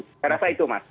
saya rasa itu mas